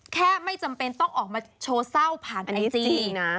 ไม่จำเป็นต้องออกมาโชว์เศร้าผ่านไอจีนะ